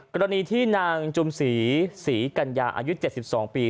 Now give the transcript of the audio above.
กรณีที่นางจุมศรีศรีกัญญาอายุ๗๒ปี